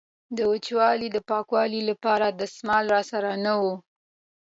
د وچولې د پاکولو لپاره دستمال را سره نه و.